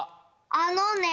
あのね